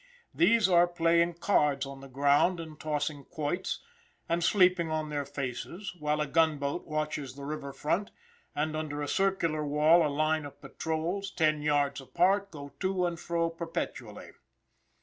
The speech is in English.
These are playing cards on the ground, and tossing quoits, and sleeping on their faces, while a gunboat watches the river front, and under a circular wall a line of patrols, ten yards apart, go to and fro perpetually.